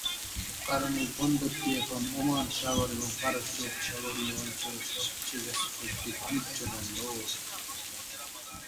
কারণ এই বন্দরটি এখন ওমান সাগর এবং পারস্য উপসাগরীয় অঞ্চলের সবচে ব্যস্ত একটি বাণিজ্য বন্দর।